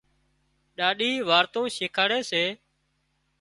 ڏاڏِي وارتائون شيکاڙي سي